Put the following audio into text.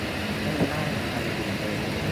ไม่ได้อะไรอื่นเลย